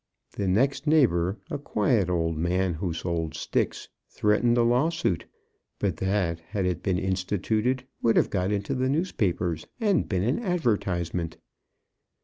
The next neighbour, a quiet old man who sold sticks, threatened a lawsuit; but that, had it been instituted, would have got into the newspapers and been an advertisement.